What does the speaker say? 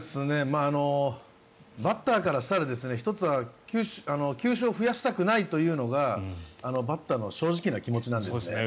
バッターからしたら１つは球種を増やしたくないというのがバッターの正直な気持ちなんですね。